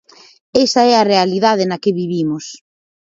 Esa é a realidade na que vivimos.